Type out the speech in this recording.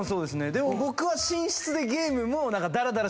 でも僕は。